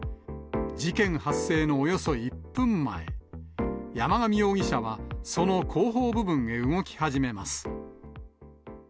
事件発生のおよそ１分前、山上容疑者は、その後方部分へ動き始めます。